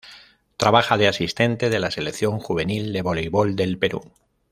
Trabaja de asistente de la Selección juvenil de voleibol del Perú.